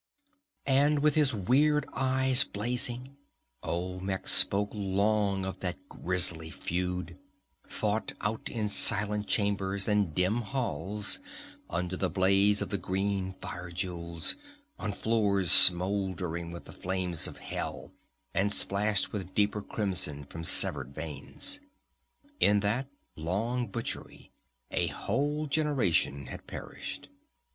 And with his weird eyes blazing, Olmec spoke long of that grisly feud, fought out in silent chambers and dim halls under the blaze of the green fire jewels, on floors smoldering with the flames of hell and splashed with deeper crimson from severed veins. In that long butchery a whole generation had perished.